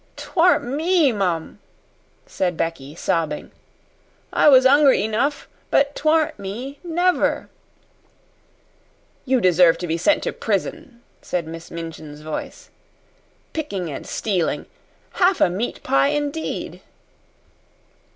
"'T warn't me, mum," said Becky sobbing. "I was 'ungry enough, but 't warn't me never!" "You deserve to be sent to prison," said Miss Minchin's voice. "Picking and stealing! Half a meat pie, indeed!"